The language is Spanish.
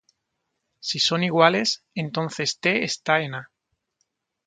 Si son iguales, entonces "t" esta en "A".